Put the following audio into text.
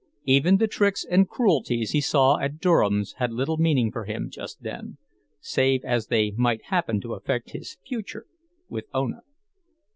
Even the tricks and cruelties he saw at Durham's had little meaning for him just then, save as they might happen to affect his future with Ona.